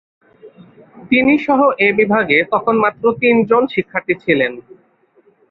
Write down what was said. তিনিসহ এ বিভাগে তখন মাত্র তিনজন শিক্ষার্থী ছিলেন।